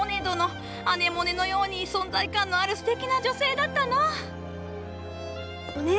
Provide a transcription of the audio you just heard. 殿アネモネのように存在感のあるすてきな女性だったのう。